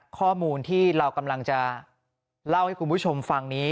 ข้อมูลที่เรากำลังจะเล่าให้คุณผู้ชมฟังนี้